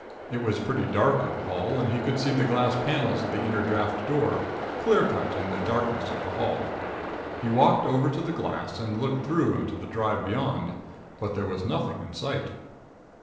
It was pretty dark in the hall and he could see the glass panels of the inner draft door, clear cut in the darkness of the hall. He walked over to the glass and looked through into the drive beyond, but there nothing in sight.